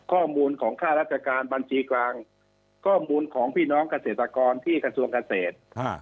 ข้อมูลของค่าราชการบัญชีกลางข้อมูลของพี่น้องเกษตรกรที่กระทรวงเกษตร